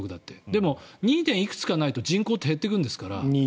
でも、２．いくつかになると人口って減っていくんですから。